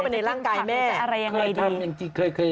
มันจะเข้าไปในร่างกายแม่